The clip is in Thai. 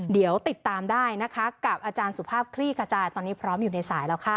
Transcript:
เดี๋ยวติดตามได้นะคะกับอาจารย์สุภาพคลี่ขจายตอนนี้พร้อมอยู่ในสายแล้วค่ะ